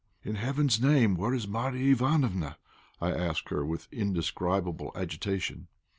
"In heaven's name where is Marya Ivánofna?" I asked, with indescribable agitation.